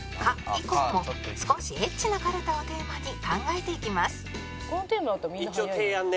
以降も少しエッチなかるたをテーマに考えていきます